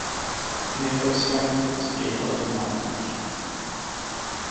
Nid oes ganddynt geudod mantell.